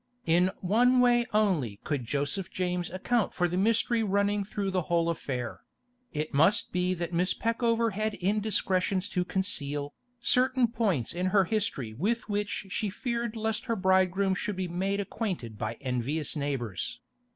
In one way only could Joseph James account for the mystery running through the whole affair; it must be that Miss Peckover had indiscretions to conceal, certain points in her history with which she feared lest her bridegroom should be made acquainted by envious neighbours.